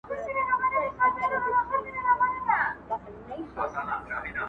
ځي تر قصابانو په مالدار اعتبار مه کوه٫